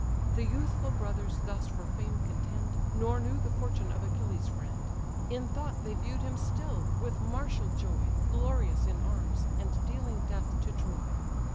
The youthful brothers thus for fame contend, Nor knew the fortune of Achilles' friend; In thought they view'd him still, with martial joy, Glorious in arms, and dealing death to Troy.